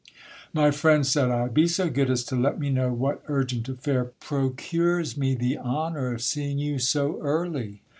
My friend, said I, be so good as to let me know what urgent affair procures me the honour of seeing you so early